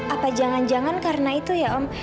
apa jangan jangan karena itu ya om